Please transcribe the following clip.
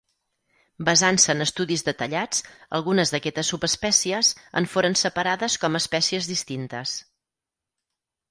Basant-se en estudis detallats, algunes d'aquestes subespècies en foren separades com a espècies distintes.